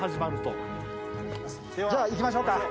じゃあ行きましょうか。